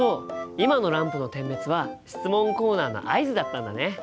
今のランプの点滅は質問コーナーの合図だったんだね。